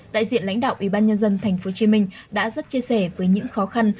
đại diện lãnh đạo ubnd tp hcm đã rất chia sẻ với những khó khăn